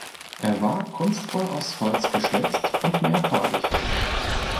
Er war kunstvoll aus Holz geschnitzt und mehrfarbig.